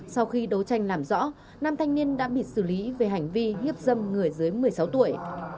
sau khi đấu tranh làm rõ nam thanh niên đã bị xử lý về hành vi hiếp dâm người dưới một mươi sáu tuổi